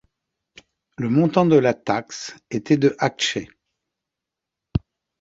Le montant de la taxe était de akçe.